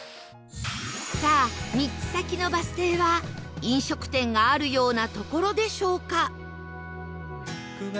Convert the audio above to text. さあ３つ先のバス停は飲食店があるような所でしょうか？